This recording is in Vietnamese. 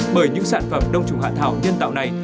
bởi những sản phẩm đông trùng hạ thảo nhân tạo này